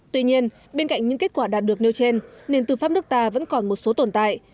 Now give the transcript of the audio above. tuy nhiên bên cạnh những kết quả đạt được nêu trên nền tư pháp nước ta vẫn còn một số tồn tại